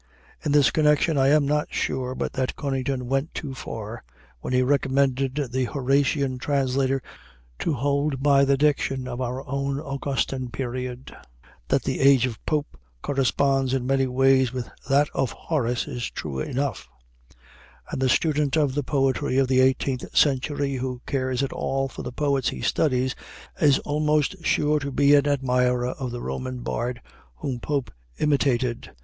In this connection I am not sure but that Conington went too far when he recommended the Horatian translator to hold by the diction of our own Augustan period. That the Age of Pope corresponds in many ways with that of Horace is true enough, and the student of the poetry of the eighteenth century who cares at all for the poets he studies is almost sure to be an admirer of the "Roman bard" whom Pope imitated.